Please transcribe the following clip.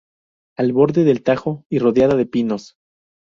Al borde del tajo y rodeada de pinos.